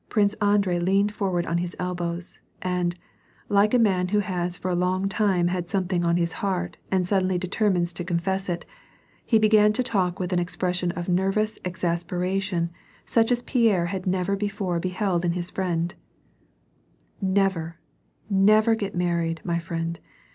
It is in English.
Prince Andrei leaned forward on his elbows, and, like a man who has for a long time had some thing on his heart and suddenly determines to confess it, he began to talk with an expression of nervous exasperation such as Pierre had never before beheld in his friend, —" Never, never get married, my friend